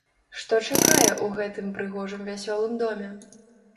Што чакае ў гэтым прыгожым вясёлым доме?